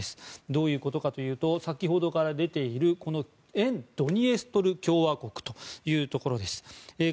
どういうことかというと先ほどから出てきている沿ドニエストル共和国というところです。